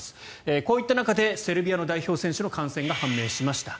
こういった中でセルビアの代表選手の感染が判明しました。